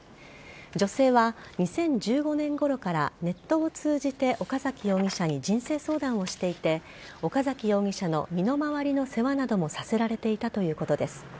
女性は２０１５年ごろからネットを通じて岡崎容疑者に人生相談をしていて岡崎容疑者の身の回りの世話などもさせられていたということです。